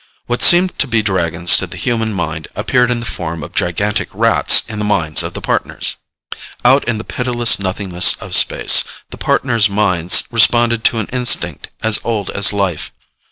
What seemed to be Dragons to the human mind appeared in the form of gigantic Rats in the minds of the Partners. Out in the pitiless nothingness of space, the Partners' minds responded to an instinct as old as life.